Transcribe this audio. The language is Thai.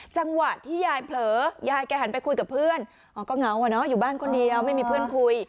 จังหวะที่ยายเผลอยายแกหันไปคุยกับเพื่อนอ๋อก็เหงาอะเนาะอยู่บ้านคนเดียวไม่มีเพื่อนคุย